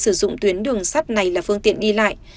sử dụng tuyến đường sắt này là phương tiện đi lại